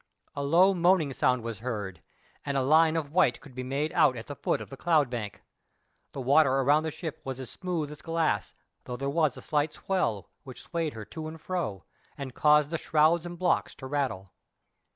A low moaning sound was heard, and a line of white could be made out at the foot of the cloud bank. The water around the ship was still as smooth as glass, though there was a slight swell, which swayed her to and fro, and caused the shrouds and blocks to rattle.